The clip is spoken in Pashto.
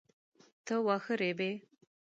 ته واخه ریبې؟